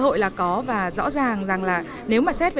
cơ hội là có và rõ ràng rằng là nếu có cơ hội thì sẽ có cơ hội